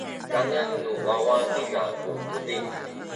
kanen nu wawa niza ku buting.